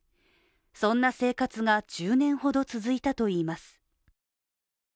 そんな生活が１０年ほど続いたといいます。